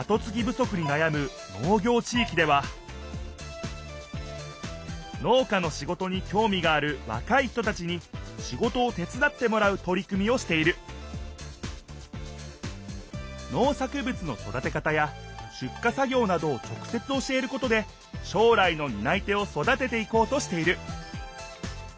足になやむ農業地いきでは農家のしごとにきょうみがあるわかい人たちにしごとを手つだってもらうとり組みをしている農作物のそだて方やしゅっか作ぎょうなどを直せつ教えることでしょう来のにない手をそだてていこうとしている。